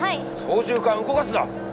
操縦かん動かすな！